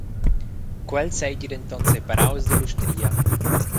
Quel seigi denton separaus dall’ustria.